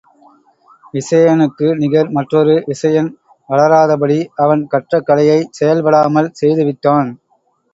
விசயனுக்கு நிகர் மற்றொரு விசயன் வளராதபடி அவன் கற்ற கலையைச் செயல்படாமல் செய்து விட்டான்.